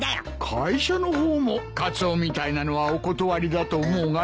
会社の方もカツオみたいなのはお断りだと思うがな。